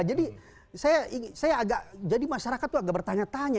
jadi saya agak jadi masyarakat itu agak bertanya tanya